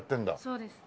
そうです。